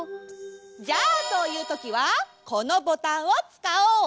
じゃあそういうときはこのボタンをつかおう！